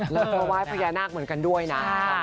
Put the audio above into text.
แล้วก็ไหว้พญานาคเหมือนกันด้วยนะ